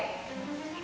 siapa yang selalu bilang